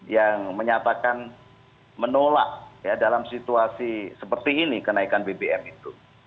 yang menyatakan menolak dalam situasi seperti ini kenaikan bbm itu